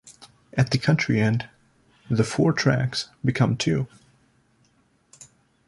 At the country end, the four tracks become two.